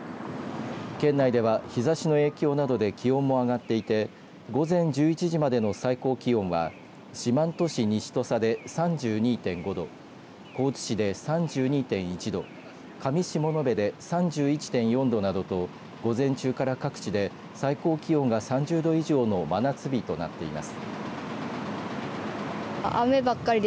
県内では日ざしの影響などで気温も上がっていて午前１１時までの最高気温は四万十市西土佐で３２．５度高知市で３２．１度香美市物部で３１．４度などと午前中から各地で最高気温が３０度以上の真夏日となっています。